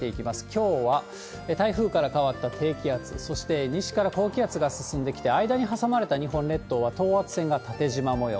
きょうは台風から変わった低気圧、そして西から高気圧が進んできて、間に挟まれた日本列島は等圧線が縦じま模様。